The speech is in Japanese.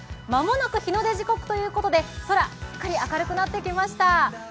間もなく日の出時刻ということで、空、すっかり明るくなってきました。